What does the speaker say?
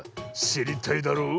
しりたいだろう？